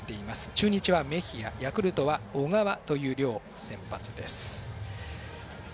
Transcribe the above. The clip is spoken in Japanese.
中日はメヒアヤクルトは小川という両先発です。